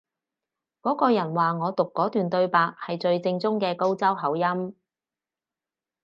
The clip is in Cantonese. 嗰個人話我讀嗰段對白係最正宗嘅高州口音